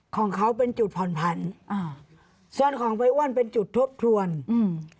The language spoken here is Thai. ของเขาเป็นจุดผ่อนผันอ่าส่วนของใบอ้วนเป็นจุดทบทวนอืม